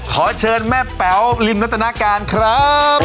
ขอเชิญแม่เป๋าริมรัตนาการครับ